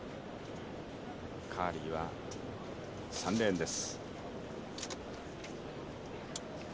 カーリーは３レーンです。